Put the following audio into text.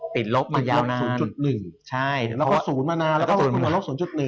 ติดลบมายาวนานลบ๐๑ใช่แล้วก็ศูนย์มานานแล้วก็ติดลบมาลบ๐๑